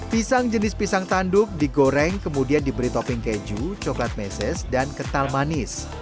pisang jenis pisang tanduk digoreng kemudian diberi topping keju coklat meses dan kental manis